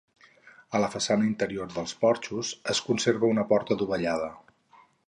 A la façana interior dels porxos es conserva una porta dovellada.